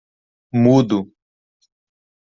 Mudo.